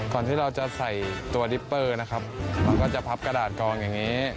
ที่เราจะใส่ตัวดิปเปอร์นะครับเราก็จะพับกระดาษกองอย่างนี้